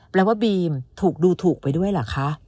แปลว่าบีมถูกดูถูกไปด้วยเหรอคะ